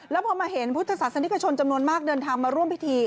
แล้วพอมาเห็นพุทธศาสนิกชนจำนวนมากเดินทางมาร่วมพิธี